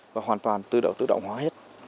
và hoàn toàn tự động hóa hết